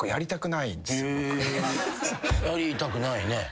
へぇやりたくないね。